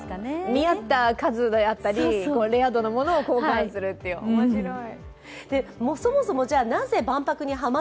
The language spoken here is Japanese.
見合った数であったり、レア度のものを交換するっていう、面白い。